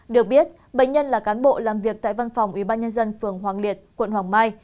được biết bệnh nhân là cán bộ làm việc tại văn phòng ubnd phường hoàng liệt quận hoàng mai